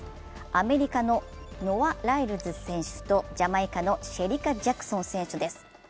アメリカのノア・ライルズ選手とジャマイカのシェリカ・ジャクソン選手です。